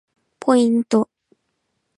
ポイント